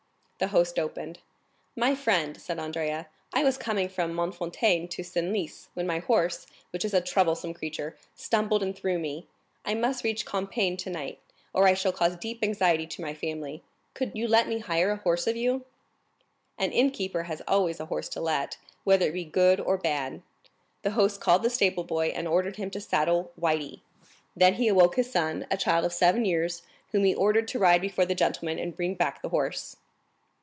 The host opened. "My friend," said Andrea, "I was coming from Mortefontaine to Senlis, when my horse, which is a troublesome creature, stumbled and threw me. I must reach Compiègne tonight, or I shall cause deep anxiety to my family. Could you let me hire a horse of you?" An innkeeper has always a horse to let, whether it be good or bad. The host called the stable boy, and ordered him to saddle Le Blanc then he awoke his son, a child of seven years, whom he ordered to ride before the gentleman and bring back the horse.